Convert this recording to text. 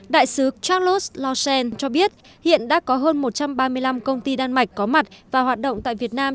đại sứ charlos logent cho biết hiện đã có hơn một trăm ba mươi năm công ty đan mạch có mặt và hoạt động tại việt nam